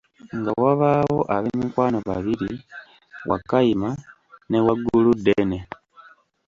Nga wabaawo ab’emikwano babiri: Wakayima ne Wagguluddene.